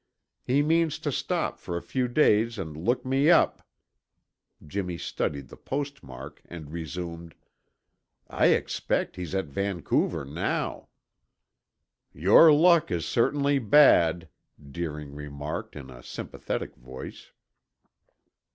He means to stop for a few days and look me up " Jimmy studied the postmark and resumed: "I expect he's at Vancouver now." "Your luck is certainly bad," Deering remarked in a sympathetic voice.